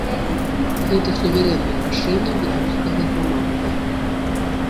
Гэта суверэннае рашэнне беларускага грамадства.